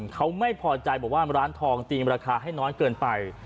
เขาไม่พอใจบอกว่าร้านทองตีราคาให้น้อยเกินไป